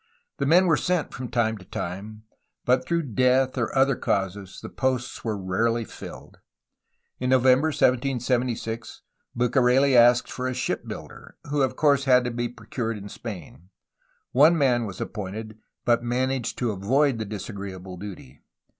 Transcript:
The men were sent from time to time, but through death or other causes the posts were rarely filled. In November 1776 Bucareli asked for a ship builder, who of course had to be procured in Spain. One man was appointed, but managed to avoid the dis agreeable duty.